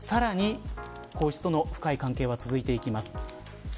さらに皇室との深い関係は続いていきます。